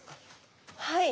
はい。